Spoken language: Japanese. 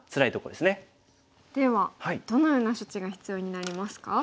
ではどのような処置が必要になりますか？